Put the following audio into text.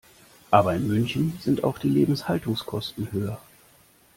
Aber in München sind auch die Lebenshaltungskosten höher.